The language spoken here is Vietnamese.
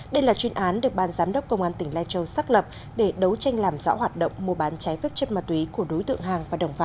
đây là chuyên án được ban giám đốc công an tỉnh lai châu xác lập để đấu tranh làm rõ hoạt động mua bán trái phép chất ma túy của đối tượng hàng và đồng phạm